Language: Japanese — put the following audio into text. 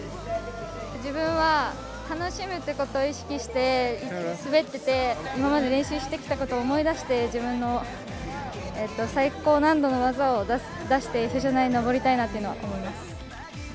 自分は楽しむってことを意識して滑ってて、今まで練習してきたことを思い出して、自分の最高難度の技を出して、表彰台に上りたいなって思います。